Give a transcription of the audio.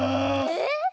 えっ？